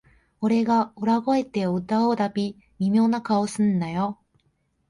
俺が裏声で歌うたび、微妙な顔すんなよ